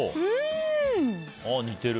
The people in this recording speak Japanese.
似てる。